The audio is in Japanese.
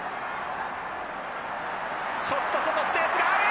ちょっと外スペースがある。